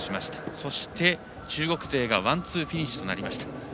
そして中国勢がワンツーフィニッシュでした。